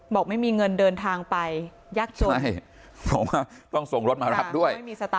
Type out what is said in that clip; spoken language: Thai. บอกไม่มีเงินเดินทางไปยากจนใช่เพราะว่าต้องส่งรถมารับด้วย